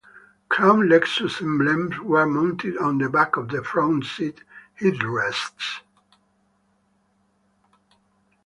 Chrome Lexus emblems were mounted on the back of the front seat headrests.